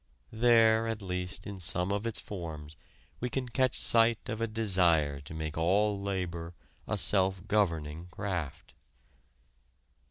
There at least in some of its forms, we can catch sight of a desire to make all labor a self governing craft.